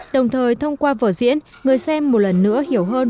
đồng thời thông qua vở diễn người xem một lần nữa hiểu hơn